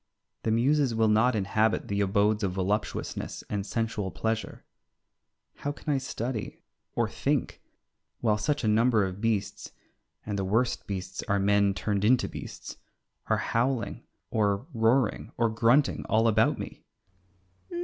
The muses will not inhabit the abodes of voluptuousness and sensual pleasure. How can I study or think while such a number of beasts and the worst beasts are men turned into beasts are howling or roaring or grunting all about me?